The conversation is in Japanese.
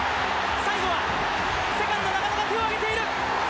最後はセカンド、が手を上げている。